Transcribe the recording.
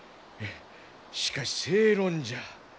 しかし正論じゃ。